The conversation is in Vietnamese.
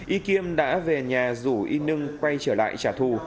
y kim đã về nhà rủ y nương quay trở lại trả thù